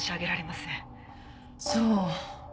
そう。